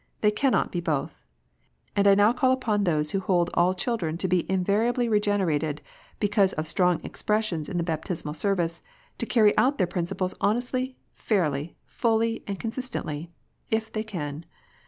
They cannot be both. And I now call upon those who hold all children to be invariably regenerated, because of strong expressions in the Baptismal Service, to carry out their principles honestly, fairly, fully, and consistently, if they can.